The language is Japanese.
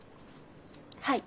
はい。